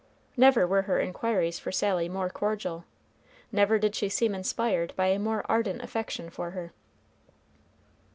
Never were her inquiries for Sally more cordial, never did she seem inspired by a more ardent affection for her.